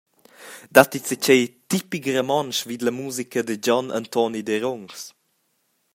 Datti zatgei tipic romontsch vid la musica da Gion Antoni Derungs?